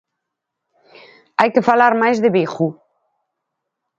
Hai que falar máis de Vigo.